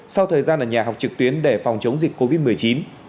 sau thời gian ở nhà học trực tuyến để phòng chống dịch covid một mươi chín